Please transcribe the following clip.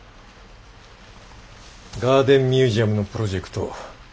ガーデンミュージアムのプロジェクト